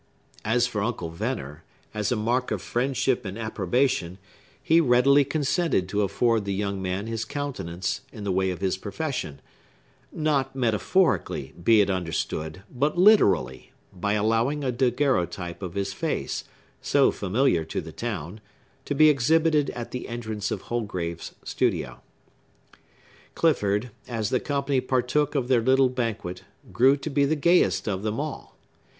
As for Uncle Venner, as a mark of friendship and approbation, he readily consented to afford the young man his countenance in the way of his profession,—not metaphorically, be it understood, but literally, by allowing a daguerreotype of his face, so familiar to the town, to be exhibited at the entrance of Holgrave's studio. Clifford, as the company partook of their little banquet, grew to be the gayest of them all.